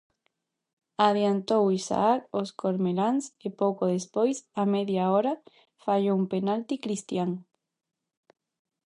Adiantou Isaac aos cormeláns e pouco despois, á media hora, fallou un penalti Cristian.